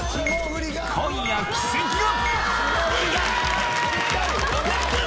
今夜奇跡が！